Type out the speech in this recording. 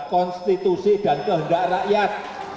konstitusi dan kehendak rakyat